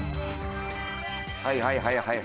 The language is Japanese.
はいはいはいはい。